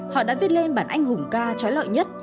họ đã viết lên bản anh hùng ca trói lợi nhất